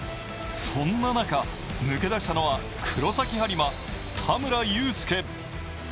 そんな中、抜け出したのは黒崎播磨・田村友佑。